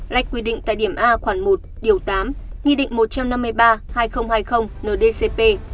lách quy định tại điểm a khoản một điều tám nghị định một trăm năm mươi ba hai nghìn hai mươi ndcp